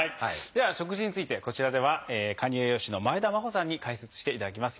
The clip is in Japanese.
では食事についてこちらでは管理栄養士の前田真歩さんに解説していただきます。